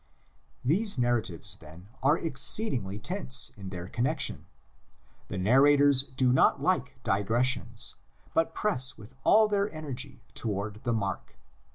These narratives, then, are exceedingly tense in their connexion. The narrators do not like digres sions, but press with all their energy toward the mark.